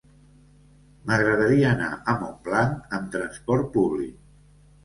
M'agradaria anar a Montblanc amb trasport públic.